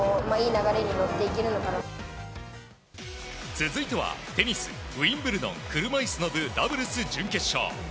続いてはテニス、ウィンブルドン車いすの部、ダブルス準決勝。